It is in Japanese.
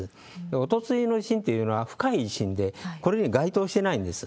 おとついの地震っていうのは深い地震で、これに該当していないんです。